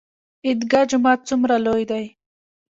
عیدګاه جومات څومره لوی دی؟